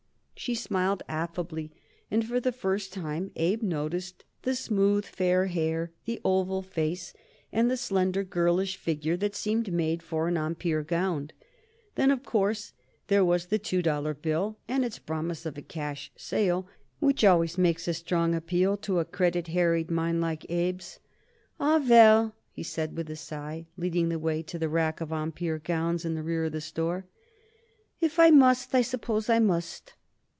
She smiled affably, and for the first time Abe noticed the smooth, fair hair, the oval face and the slender, girlish figure that seemed made for an Empire gown. Then, of course, there was the two dollar bill and its promise of a cash sale, which always makes a strong appeal to a credit harried mind like Abe's. "Oh, well," he said with a sigh, leading the way to the rack of Empire gowns in the rear of the store, "if I must I suppose I must."